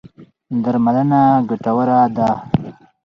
درملنه ګټوره ده.